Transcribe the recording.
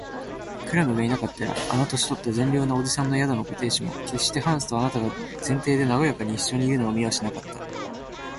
クラムがいなかったら、あの年とった善良な伯父さんの宿のご亭主も、けっしてハンスとあなたとが前庭でなごやかにいっしょにいるのを見はしなかった